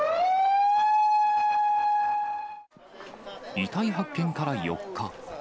遺体発見から４日。